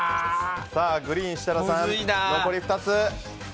グリーン、設楽さん残り２つ。